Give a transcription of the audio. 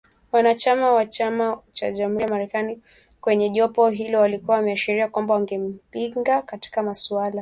Wanachama wa chama cha Jamuhuri ya Marekani, kwenye jopo hilo walikuwa wameashiria kwamba wangempinga katika masuala mbalimbali